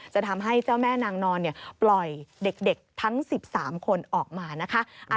จะทำให้เจ้าแม่นางนอนปล่อยเด็กทั้ง๑๓คนออกมานะคะ